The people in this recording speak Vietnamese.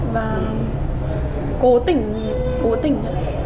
và cố tỉnh cố tỉnh